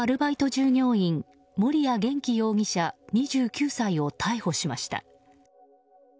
従業員森谷元気容疑者、２９歳を逮捕しました。